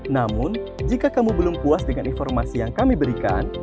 namun jika kamu belum puas dengan informasi yang kami berikan